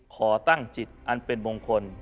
ขอตั้งจิตอันเป็นมงคล